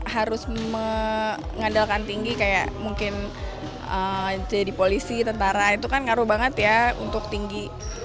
harus mengandalkan tinggi kayak mungkin jadi polisi tentara itu kan ngaruh banget ya untuk tinggi